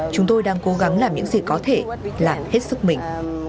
chúng tôi đang cố gắng làm những gì có thể làm hết sức mình